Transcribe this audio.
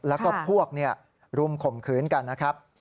แล้วก็พวกรุมข่มขืนกันนะครับ